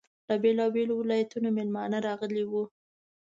له بېلابېلو ولایتونو میلمانه راغلي وو.